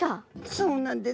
そうなんです。